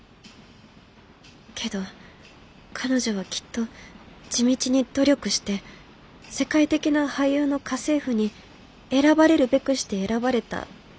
けど彼女はきっと地道に努力して世界的な俳優の家政婦に選ばれるべくして選ばれた逸材。